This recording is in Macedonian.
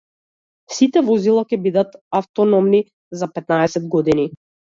Сите возила ќе бидат автономни за петнаесет години.